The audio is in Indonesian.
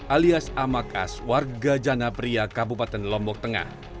alias amak as warga jana pria kabupaten lombok tengah